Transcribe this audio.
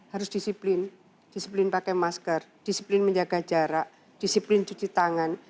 harus disiplin disiplin pakai masker disiplin menjaga jarak disiplin cuci tangan